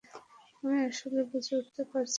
আমি আসলে বুঝে উঠতে পারছিলাম না।